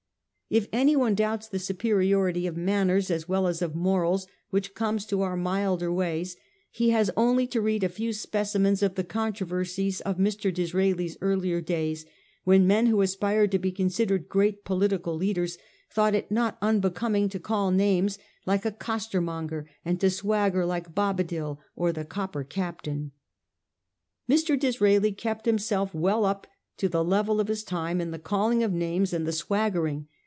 If anyone doubts the superiority of man ners as well as of morals which comes of our milder ways, he has only to read a few specimens of the con troversies of Mr. Disraeli's earlier days, when men who aspired to be considered great political leaders thought it not unbecoming to call names like a cos termonger, and to swagger like Bobadil or the Copper Captain. Mr. Disraeli kept himself well up to the level of his time in the calling of names and the swaggering.